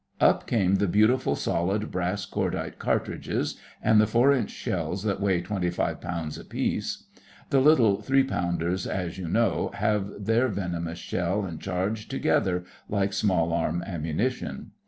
Up came the beautiful solid brass cordite cartridges; and the four inch shells that weigh twenty five pounds apiece. (The little three pounders, as you know, have their venomous shell and charge together like small arm ammunition.)